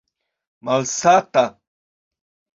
malsata